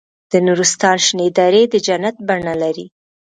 د نورستان شنې درې د جنت بڼه لري.